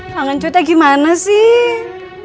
kang ncu tadi gimana sih